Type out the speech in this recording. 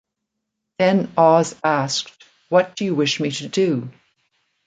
Then Oz asked, "What do you wish me to do?"